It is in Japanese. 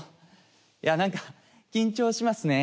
いやなんか緊張しますね。